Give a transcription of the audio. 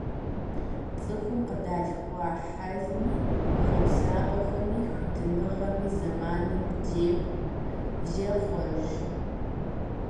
ЦӀыхум къыдалъхуа хьэлми, хъуэпсапӀэхэми, хуитыныгъэми зэманым декӏуу зехъуэж.